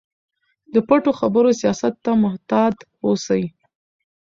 د پټو خبرو سیاست ته محتاط اوسئ.